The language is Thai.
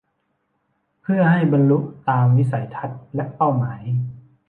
เพื่อให้บรรลุตามวิสัยทัศน์และเป้าหมาย